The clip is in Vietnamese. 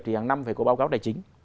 thì hàng năm phải có báo cáo tài chính